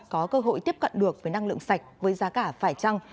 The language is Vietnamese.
có cơ hội tiếp cận được với năng lượng sạch với giá cả phải trăng